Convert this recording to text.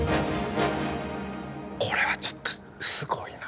これはちょっとすごいな。